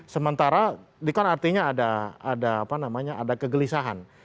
sementara ini kan artinya ada kegelisahan